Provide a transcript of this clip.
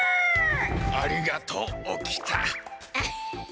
・ありがとう起きた。